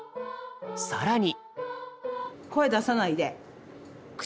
更に。